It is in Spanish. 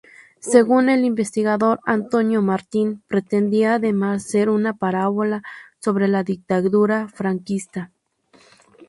Según el investigador Antonio Martín, pretendía además ser una parábola sobre la dictadura franquista.